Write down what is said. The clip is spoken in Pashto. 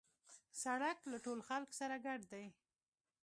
سړک له ټولو خلکو سره ګډ دی.